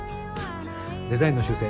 デザインの修正